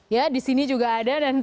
ya disini juga ada